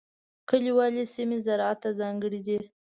کلیوالي سیمې زراعت ته ځانګړې دي.